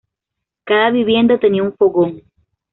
Cada vivienda tenía un fogón.